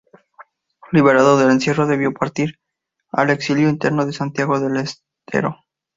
Liberado del encierro, debió partir al exilio interno a Santiago del Estero.